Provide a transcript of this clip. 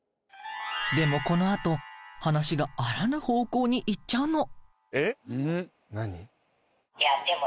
でもこの後話があらぬ方向にいっちゃうの。